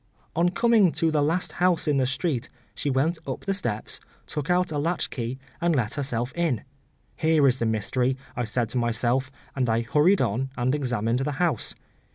On coming to the last house in the street, she went up the steps, took out a latch key, and let herself in. “Here is the mystery,” I said to myself; and I hurried on and examined the house.